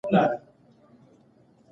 کلسترول له حیواني خوړو هم تر لاسه کېږي.